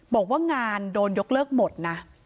บอกว่างานโดนยกเลิกหมดนะ